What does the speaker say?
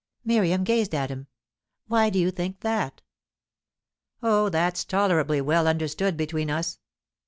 Miriam gazed at him. "Why do you think that?" "Oh, that's tolerably well understood between us."